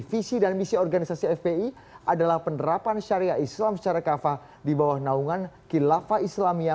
visi dan misi organisasi fpi adalah penerapan syariah islam secara kafa di bawah naungan kilafah islamia